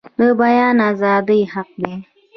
د بیان ازادي حق دی